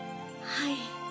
はい。